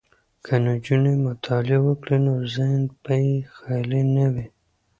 که نجونې مطالعه وکړي نو ذهن به یې خالي نه وي.